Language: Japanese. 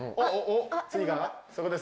次がそこですね。